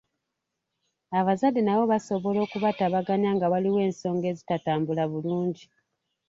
Abazadde nabo basobola okubatabaganya nga waliwo ensonga ezitatambula bulungi.